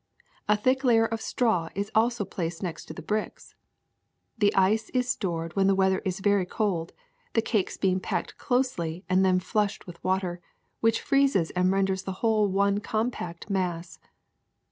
A thick layer of straw is also placed next to the bricks. The ice is stored when the weather is very cold, the cakes being packed closely and then flushed with w^ater, which freezes and renders the whole one compact mass.